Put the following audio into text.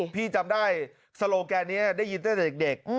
พี่จำได้สโลแกนี้ได้ยินได้จากเด็ก